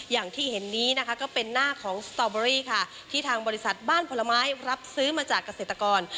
อย่างที่เห็นนี้นะคะก็เป็นหน้าของสตอเบอรี่ค่ะที่ทางบริษัทบ้านผลไม้รับซื้อมาจากเกษตรกร